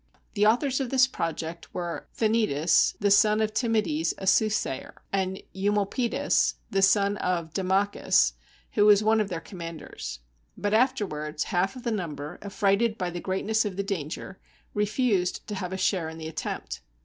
The authors of this project were Thasanetus, the son of Timedes, a soothsayer, and Eumolpidas, the son of Daimachus, who was one of their commanders. But afterwards, half of the number, affrighted by the greatness of the danger, refused to have a share in the attempt.